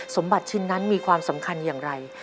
สมบัติชิ้นนั้นมีความสำคัญอย่างไร